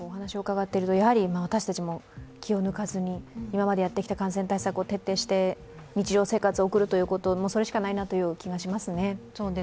私たちも気を抜かずに今までやってきた感染対策を徹底して日常生活を送ること、それしかないなという気がしますね。